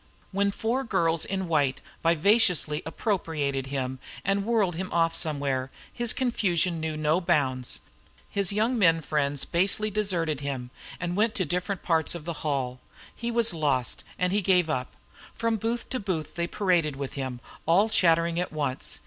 When four girls in white vivaciously appropriated him and whirled him off somewhere, his confusion knew no bounds. His young men friends basely deserted him and went to different parts of the hall. He was lost, and he gave up. From booth to booth they paraded with him, all chattering at once.